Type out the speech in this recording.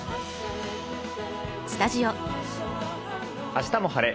「あしたも晴れ！